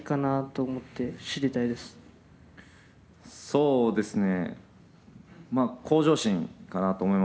そうですね。